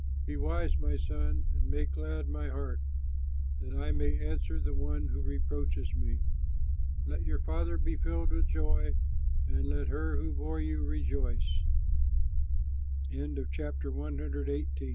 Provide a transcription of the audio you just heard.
Be wise, my son, and make glad my heart, That I may answer the one who reproaches me. Let your father be filled with joy, And let her who bore you rejoice. THE TROUBLES OF THOSE WHO ARE LAZY The